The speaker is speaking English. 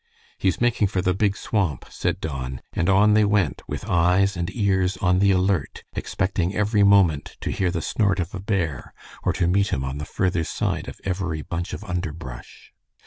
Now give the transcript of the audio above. "He's making for the Big Swamp," said Don, and on they went, with eyes and ears on the alert, expecting every moment to hear the snort of a bear, or to meet him on the further side of every bunch of underbrush.